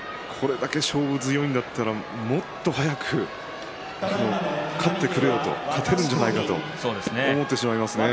これだけ勝負強いんだったらもっと早く勝ってくれよと勝てるんじゃないかと思ってしまいますよね。